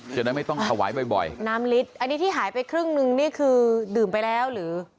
จะได้ไม่ต้องถวายบ่อยบ่อยน้ำลิตรอันนี้ที่หายไปครึ่งนึงนี่คือดื่มไปแล้วหรือ